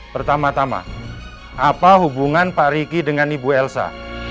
pertama tama apa hubungan pak riki dengan ibu elsa